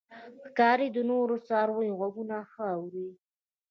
ښکاري د نورو څارویو غږونه ښه اوري.